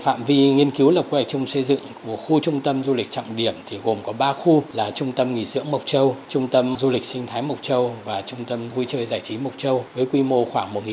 phạm vi nghiên cứu lập quy hoạch chung xây dựng của khu trung tâm du lịch trọng điểm gồm có ba khu là trung tâm nghỉ dưỡng mộc châu trung tâm du lịch sinh thái mộc châu và trung tâm vui chơi giải trí mộc châu với quy mô khoảng